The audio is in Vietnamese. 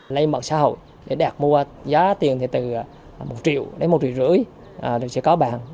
lên mạng xã hội để đạt mua giá tiền thì từ một triệu đến một triệu rưỡi thì sẽ có bàn